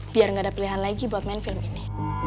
biar gak ada pilihan lagi buat main film ini